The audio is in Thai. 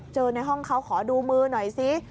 ในห้องเขาขอดูมือหน่อยซิ